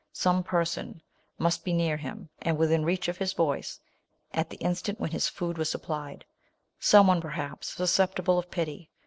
Some per son must be near him, and within reach of his voice, at the instant when his food was supplied ; some one, perhaps, susceptible of pity.